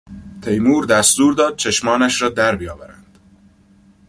تیمور دستور داد چشمانش را در بیاورند.